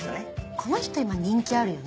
この人今人気あるよね。